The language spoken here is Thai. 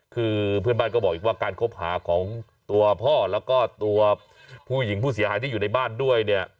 คือเพื่อนบ้านก็บอกอีกว่าการคบหาของตัวพ่อแล้วก็ตัวผู้หญิงผู้เสียหายที่อยู่ในบ้านด้วยเนี่ย